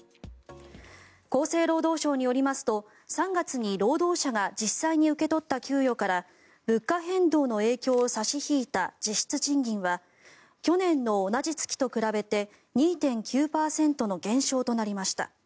厚生労働省によりますと３月に労働者が実際に受け取った給与から物価変動の影響を差し引いた実質賃金は去年の同じ月と比べて２．９％の減少となりました。